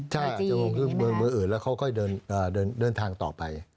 ใช่ลงที่เมืองอื่นแล้วค่อยเดินทางต่อไป